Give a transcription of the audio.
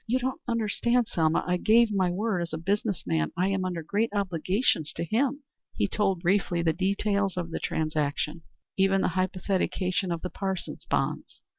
"You don't understand, Selma. I gave my word as a business man. I am under great obligations to him." He told briefly the details of the transaction; even the hypothecation of the Parsons bonds.